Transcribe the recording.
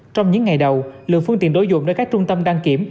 trong những ngày đầu lượng phương tiện đối dụng nơi các trung tâm đăng kiểm